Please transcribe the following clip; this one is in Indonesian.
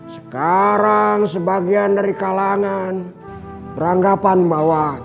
sekarang sebagian dari kalangan beranggapan bahwa